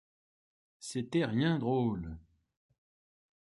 C’était rien drôle!